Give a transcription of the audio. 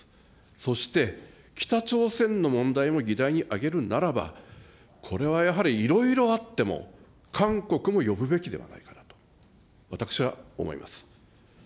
そして北朝鮮の問題も議題に挙げるんならば、これはやはり、いろいろあっても、韓国も呼ぶべきではないかなと、私は思います。